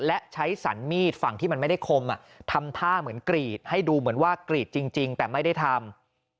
และใช้สันมีดฝั่งที่มันไม่ได้คมทำท่าเหมือนกรีดให้ดูเหมือนว่ากรีดจริงแต่ไม่ได้ทำ